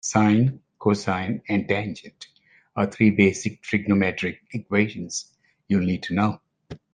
Sine, cosine and tangent are three basic trigonometric equations you'll need to know.